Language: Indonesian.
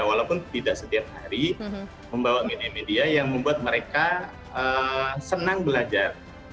walaupun tidak setiap hari membawa media media yang membuat mereka senang belajar